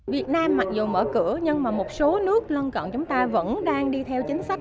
việt nam mặc dù mở cửa nhưng mà một số nước lân cận chúng ta vẫn đang đi theo chính sách